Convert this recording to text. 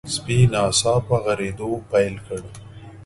سپي ناڅاپه غريدو پيل کړ.